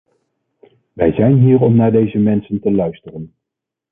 Wij zijn hier om naar deze mensen te luisteren.